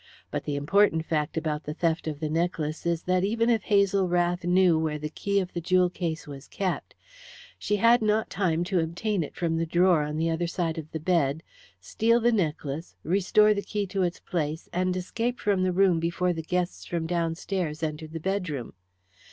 But the important fact about the theft of the necklace is that even if Hazel Rath knew where the key of the jewel case was kept she had not time to obtain it from the drawer on the other side of the bed, steal the necklace, restore the key to its place, and escape from the room before the guests from downstairs entered the bedroom.